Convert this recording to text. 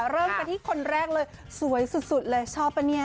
เริ่มกันที่คนแรกเลยสวยสุดเลยชอบปะเนี่ย